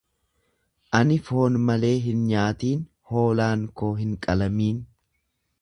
Ani foon malee hin nyaatiin, hoolaan koo hin qalamiin.